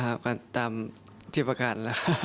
ไหวครับเขาไหวครับ